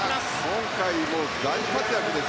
今回大活躍です。